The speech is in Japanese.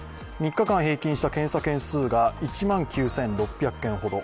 ３日間平均した検査件数が１万９６００件ほど。